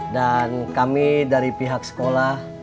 dan kami dari pihak sekolah